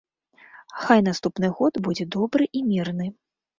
Хай наступны год будзе добры і мірны.